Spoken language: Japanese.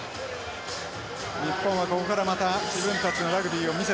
日本はここからまた自分たちのラグビーを見せていく。